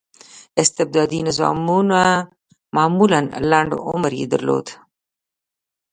استبدادي نظامونه معمولا لنډ عمر یې درلود.